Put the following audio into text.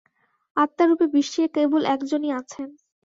আত্মারূপে বিশ্বে কেবল একজনই আছেন।